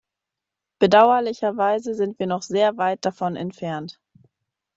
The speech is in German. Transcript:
Bedauerlicherweise sind wir noch sehr weit davon entfernt.